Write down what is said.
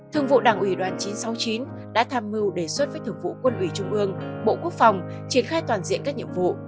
thường vụ đảng ủy đoàn chín trăm sáu mươi chín đã tham mưu đề xuất với thường vụ quân ủy trung ương bộ quốc phòng triển khai toàn diện các nhiệm vụ